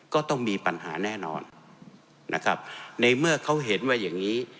ก็ต้องมีปัญหาแน่นอนนะครับในเมื่อเขาเห็นว่าอย่างนี้